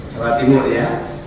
jawa timur ya